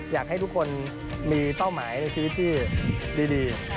อยากให้ทุกคนมีเป้าหมายในชีวิตที่ดี